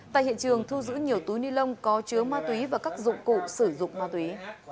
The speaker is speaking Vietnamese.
tại hiện trường thu giữ nhiều túi ni lông có chứa ma túy và các dụng cụ sử dụng ma túy